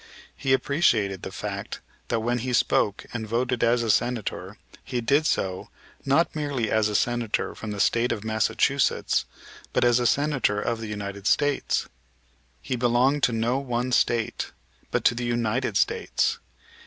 He appreciated the fact that when he spoke and voted as a Senator, he did so, not merely as a Senator from the State of Massachusetts, but as a Senator of the United States. He belonged to no one State, but to the United States.